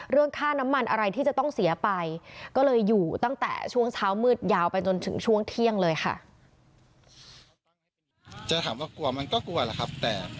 เรื่องค่าน้ำมันอะไรที่จะต้องเสียไปก็เลยอยู่ตั้งแต่ช่วงเช้ามืดยาวไปจนถึงช่วงเที่ยงเลยค่ะ